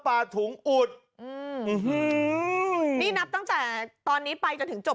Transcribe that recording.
ถุงอุดอืมนี่นับตั้งแต่ตอนนี้ไปจนถึงจบ